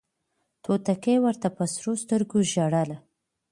توتکۍ ورته په سرو سترګو ژړله